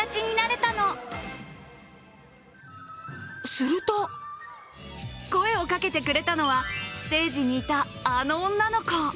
すると声をかけてくれたのはステージにいたあの女の子。